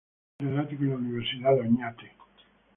Fue catedrático en la Universidad de Oñate.